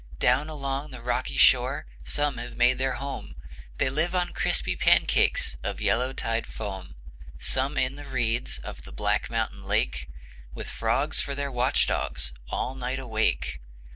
Down along the rocky shore Some have made their home; They live on crispy pancakes Of yellow tide foam. Some in the reeds Of the black mountain lake, With frogs for their watch dogs, All night awake.